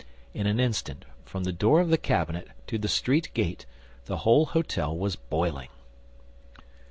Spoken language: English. In an instant, from the door of the cabinet to the street gate, the whole hôtel was boiling.